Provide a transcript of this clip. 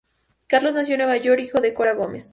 Carlos nació en Nueva York, hijo de Cora Gómez.